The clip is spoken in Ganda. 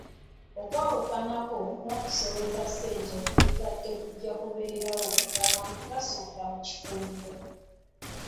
Okwawukanako n’okusolooza ssente okubadde kujja kubeerawo ng’abantu basonda mu kikungo.